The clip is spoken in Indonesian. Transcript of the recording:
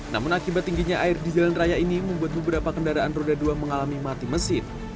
namun akibat tingginya air di jalan raya ini membuat beberapa kendaraan roda dua mengalami mati mesin